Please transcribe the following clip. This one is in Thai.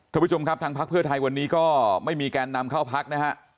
ท่านผู้ชมครับทางพักเพื่อไทยวันนี้ก็ไม่มีแกนนำเข้าพักนะฮะ